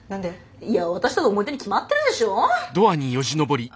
私との思い出に決まってるでしょ！